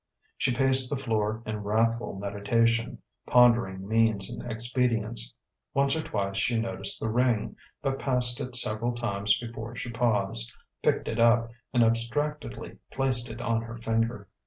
She paced the floor in wrathful meditation, pondering means and expedients. Once or twice she noticed the ring, but passed it several times before she paused, picked it up, and abstractedly placed it on her finger.